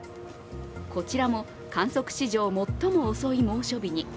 こちらも観測史上最も遅い猛暑日に。